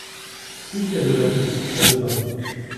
Il y a de la vie, là-dedans.